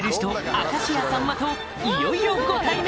明石家さんまといよいよご対面！